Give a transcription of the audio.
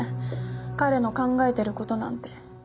彼の考えてる事なんて。